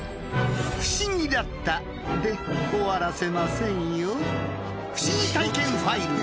不思議だったで終わらせませんよ。